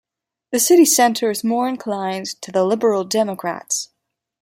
The city centre is more inclined to the Liberal Democrats.